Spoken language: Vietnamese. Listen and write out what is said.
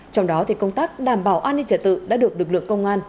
trong đó công tác đảm bảo an ninh trả tự đã được lực lượng công an